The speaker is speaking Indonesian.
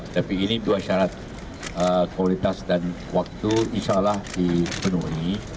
tapi ini dua syarat kualitas dan waktu insya allah dipenuhi